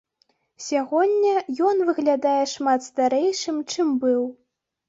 Сягоння ён выглядае шмат старэйшым, чым быў.